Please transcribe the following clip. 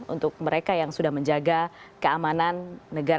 untuk mereka yang sudah menjaga keamanan negara